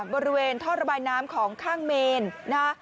บริเวณท่อระบายน้ำของข้างเมนนะฮะ